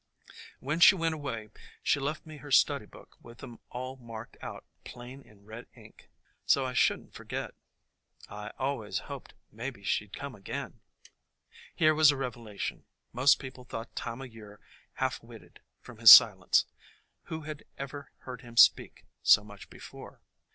"When she went away she left me her study book with 'em all marked out plain in red ink, so I should n't forget. I 've always hoped maybe she 'd come again !" Here was a revelation ! Most people thought Time o' Year half witted, from his silence. Who had ever heard him speak so much before